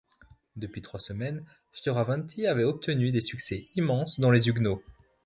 Depuis trois semaines, Fioravanti avait obtenu des succès immenses dans les Huguenots.